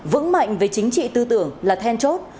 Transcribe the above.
vững mạnh về chính trị tư tưởng là then chốt